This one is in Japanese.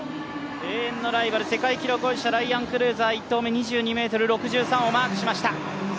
永遠のライバル、世界記録保持者、ライアン・クルーザーは１投目、２２ｍ６３をマークしました。